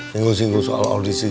singgung singgung soal audisi